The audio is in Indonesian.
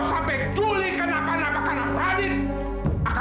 sampai jumpa di video selanjutnya